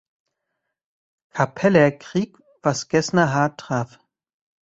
Kappelerkrieg, was Gessner hart traf.